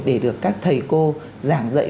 để được các thầy cô giảng dạy